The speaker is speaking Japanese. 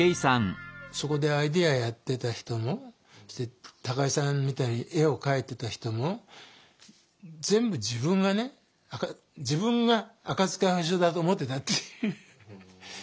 そこでアイデアやってた人も高井さんみたいに絵を描いてた人も全部自分がね自分が赤不二夫だと思ってたっていう。